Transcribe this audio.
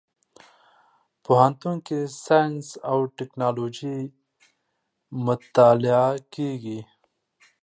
پوهنتون کې ساينس او ټکنالوژي مطالعه کېږي.